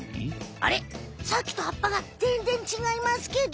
あれさっきとはっぱがぜんぜんちがいますけど！